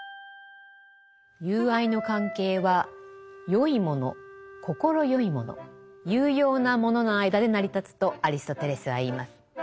友愛の関係は善いもの快いもの有用なものの間で成り立つとアリストテレスは言います。